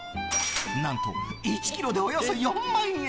何と１ｋｇでおよそ４万円。